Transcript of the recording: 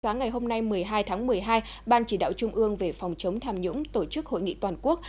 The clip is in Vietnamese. sáng ngày hôm nay một mươi hai tháng một mươi hai ban chỉ đạo trung ương về phòng chống tham nhũng tổ chức hội nghị toàn quốc